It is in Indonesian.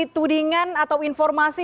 tudingan atau informasi